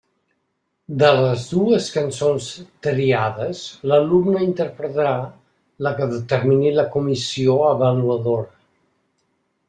De les dues cançons triades, l'alumne interpretarà la que determini la comissió avaluadora.